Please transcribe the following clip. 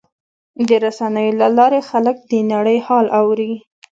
د رسنیو له لارې خلک د نړۍ حال اوري.